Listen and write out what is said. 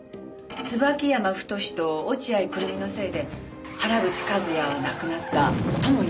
椿山太と落合久瑠実のせいで原口和也は亡くなったとも言えるわね。